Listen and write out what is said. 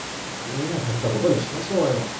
見なかったことにしましょうよ。